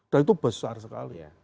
dan itu besar sekali